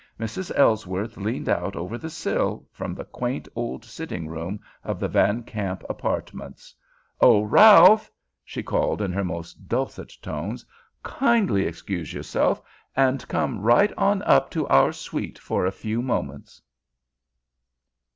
Mrs. Ellsworth leaned out over the sill, from the quaint old sitting room of the Van Kamp apartments! "Oh, Ralph!" she called in her most dulcet tones. "Kindly excuse yourself and come right on up to our suite for a few moments!"